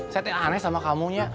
saya tuh aneh sama kamu nya